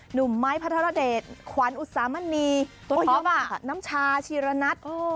หนุ่มไม้พระธรเดชขวัญอุตสามณีตัวท็อปน้ำชาชีระนัท